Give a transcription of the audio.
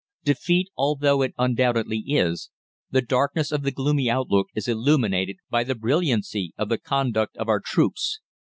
Defeat although it undoubtedly is, the darkness of the gloomy outlook is illuminated by the brilliancy of the conduct of our troops.